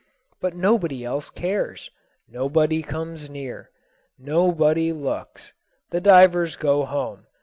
But nobody else cares. Nobody comes near. Nobody looks. The divers go home.